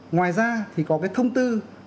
ngoài ra thì có cái thông tư